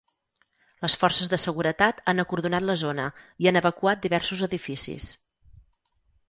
Les forces de seguretat han acordonat la zona i han evacuat diversos edificis.